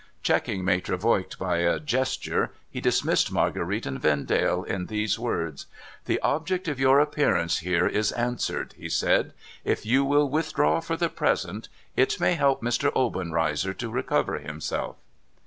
Checking Maitre Voigt by a gesture, he .dismissed Marguerite and Vendale in these words :— 'The object of your appearance here is answered,* hj3 said. ' If you will withdraw for the present, it may help Mr. Obenreizer to recover himself.'